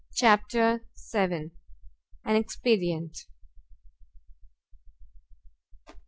CHAPTER vii AN EXPEDIENT.